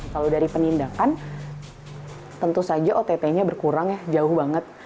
kalau dari penindakan tentu saja ott nya berkurang ya jauh banget